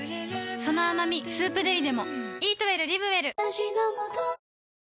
その甘み「スープデリ」でも